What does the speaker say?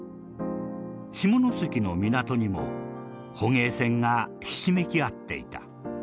下関の港にも捕鯨船がひしめき合っていた。